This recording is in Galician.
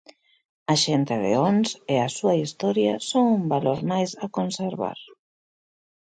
A xente de Ons e a súa historia son un valor máis a conservar.